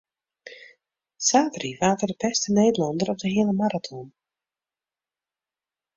Saterdei waard er de bêste Nederlanner op de heale maraton.